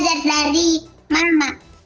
belajar dari mama